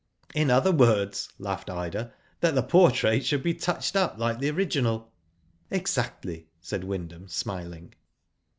''In other words," laughed Ida, "that the portrait should be touched up like the original." "Exactly," said Wyndham, smiling.